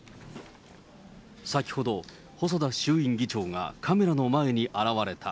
先ほど、細田衆院議長がカメラの前に現れた。